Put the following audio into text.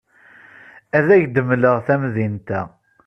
Ad ak-d-mleɣ tamdint-a.